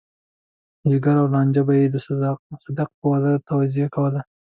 جګړه او لانجه به يې د صدک په واده توجيه کوله.